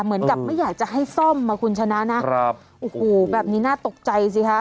เหมือนกับไม่อยากจะให้ซ่อมอ่ะคุณชนะนะครับโอ้โหแบบนี้น่าตกใจสิคะ